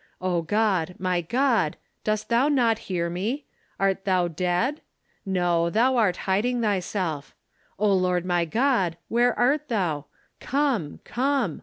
O God, my God, dost thou not hear me ? Art thou dead ? No, thou art hiding thyself. O Lord my God, where art thou ? Come, come